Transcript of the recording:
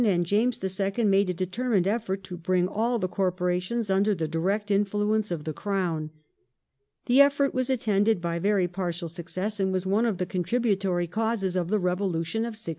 and James II. made a determined effort to bring all the corporations under the direct influence of the Crown. ^ The effort was attended by very partial success, and was one of the contributory causes of the Revolution of 1688.